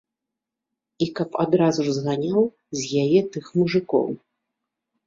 І каб адразу ж зганяў з яе тых мужыкоў.